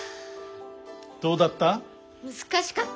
どうだった？